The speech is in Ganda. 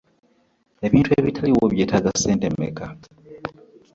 Ebintu ebitaliiwo byetaaga ssente meka?